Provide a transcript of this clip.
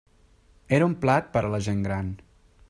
Era un plat per a la gent gran.